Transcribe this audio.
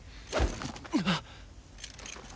あっ。